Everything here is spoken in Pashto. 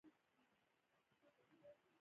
آیا دوی سور یونیفورم نه اغوندي؟